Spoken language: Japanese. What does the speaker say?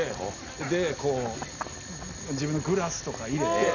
でこう自分のグラスとか入れて。